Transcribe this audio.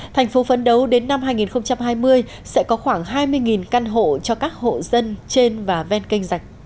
thành phố phấn đấu đến năm hai nghìn hai mươi sẽ có khoảng hai mươi căn hộ cho các hộ dân trên và ven kênh dạch